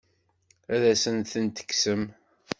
Ad asen-tent-tekksem?